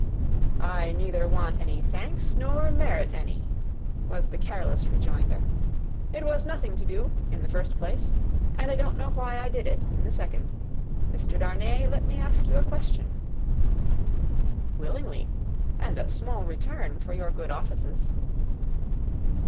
"I neither want any thanks, nor merit any," was the careless rejoinder. "It was nothing to do, in the first place; and I don't know why I did it, in the second. Mr. Darnay, let me ask you a question." "Willingly, and a small return for your good offices."